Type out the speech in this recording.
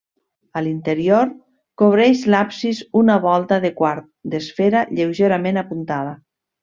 A l'interior, cobreix l'absis una volta de quart d'esfera lleugerament apuntada.